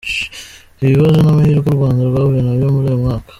Ibibazo n’amahirwe u Rwanda rwahuye na byo muri uyu mwaka.